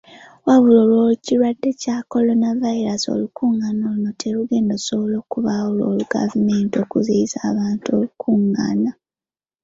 Wabula olw'ekirwadde kya Kolonavayiraasi, olukungaana luno terugenda kusobola kubaawo olwa gavumenti okuziyiza abantu okukungaana.